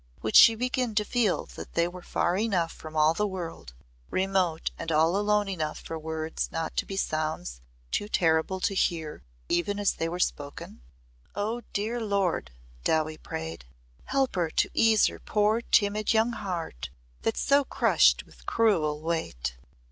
Would she begin to feel that they were far enough from all the world remote and all alone enough for words not to be sounds too terrible to hear even as they were spoken? "Oh! dear Lord," Dowie prayed, "help her to ease her poor, timid young heart that's so crushed with cruel weight."